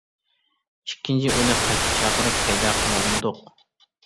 ئىككىنچى ئۇنى قايتا چاقىرىپ پەيدا قىلالمىدۇق.